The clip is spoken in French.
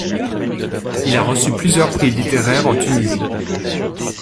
Il a reçu plusieurs prix littéraires en Tunisie.